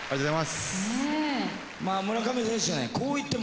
はい。